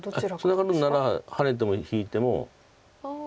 ツナがるならハネても引いても。